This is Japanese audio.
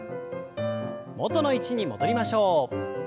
元の位置に戻りましょう。